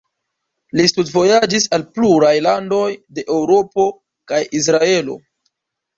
Li studvojaĝis al pluraj landoj de Eŭropo kaj Israelo.